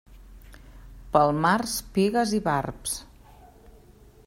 Pel març, pigues i barbs.